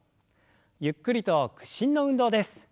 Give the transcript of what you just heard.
ゆっくりと屈伸の運動です。